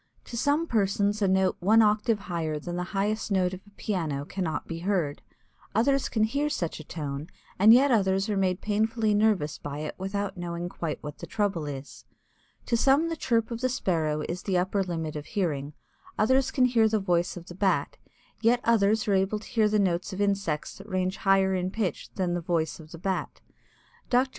To some persons a note one octave higher than the highest note of a piano, cannot be heard. Others can hear such a tone, and yet others are made painfully nervous by it without knowing quite what the trouble is. To some the chirp of the Sparrow is the upper limit of hearing, others can hear the voice of the Bat, yet others are able to hear the notes of insects that range higher in pitch than the voice of the Bat. Dr.